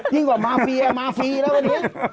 ยิ่งกว่ามาเฟียมาฟรีแล้ววันนี้